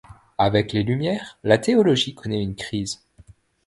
Avec les Lumières, la théologie connait une crise.